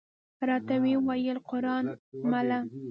راته وې ویل: قران مله!